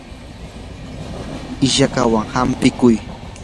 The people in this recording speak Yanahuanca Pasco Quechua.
ishankawan hampikuy.